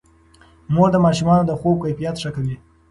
مور د ماشومانو د خوب کیفیت ښه کوي.